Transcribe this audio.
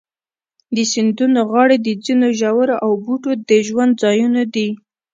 د سیندونو غاړې د ځینو ژوو او بوټو د ژوند ځایونه دي.